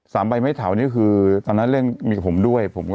สามใบไม่เทานี้คือตอนนั้นเล่นมีกับผมด้วย